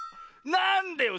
なんでよ